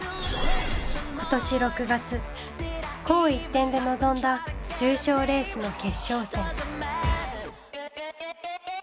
今年６月紅一点で臨んだ重賞レースの決勝戦。